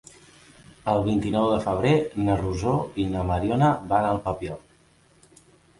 El vint-i-nou de febrer na Rosó i na Mariona van al Papiol.